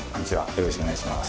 よろしくお願いします。